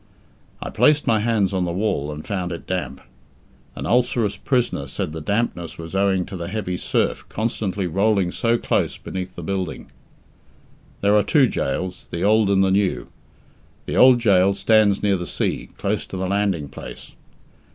I placed my hands on the wall, and found it damp. An ulcerous prisoner said the dampness was owing to the heavy surf constantly rolling so close beneath the building. There are two gaols, the old and the new. The old gaol stands near the sea, close to the landing place.